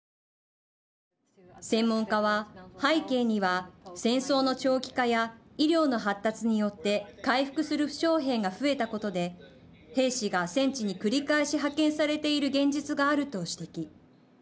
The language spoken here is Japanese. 専門家は背景には戦争の長期化や医療の発達によって回復する負傷兵が増えたことで兵士が戦地に繰り返し派遣されている現実があると指摘。